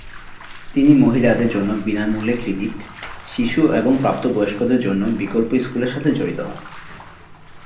তিনি মহিলাদের জন্য বিনামূল্যে ক্লিনিক, শিশু এবং প্রাপ্তবয়স্কদের জন্য বিকল্প স্কুলের সাথে জড়িত হন।